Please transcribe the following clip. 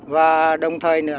và đồng thời nữa